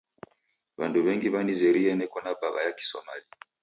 W'andu w'engi w'anizerie neko na bagha ya kiSomali.